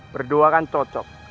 berdua kan cocok